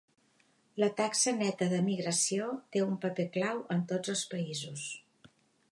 La taxa neta de migració té un paper clau en tots els països.